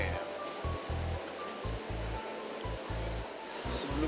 ya aku cuma denger denger aja ya